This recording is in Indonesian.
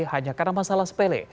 hanya karena masalah sepele